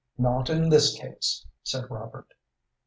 "Not in this case," said Robert.